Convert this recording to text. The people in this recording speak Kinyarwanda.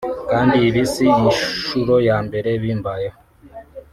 Kandi ibi si inshuro ya mbere bimbayeho”